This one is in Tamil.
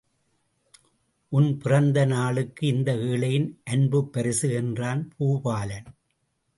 உன் பிறந்த நாளுக்கு இந்த ஏழையின் அன்புப்பரிசு! என்றான் பூபாலன்.